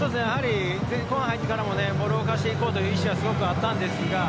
後半に入ってからもボールを動かしていこうという意思がありました。